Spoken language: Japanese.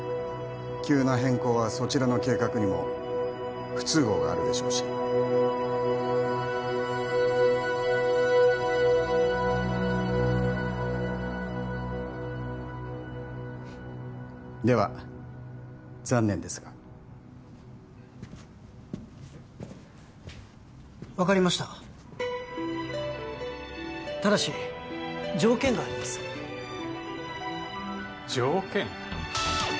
急な変更はそちらの計画にも不都合があるでしょうしでは残念ですが分かりましたただし条件があります条件？